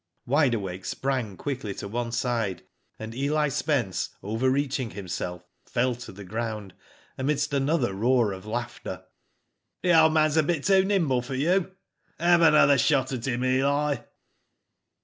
Wide Awake sprang quickly to one side, and Eli Spence overreaching himself fell to the ground, amidst another roar of laughter. The old man's a bit too nimble for you." *'Have another shot at him, Eli."